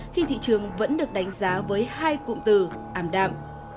khi thị trường vẫn được đánh giá với hai cụm từ ảm đạm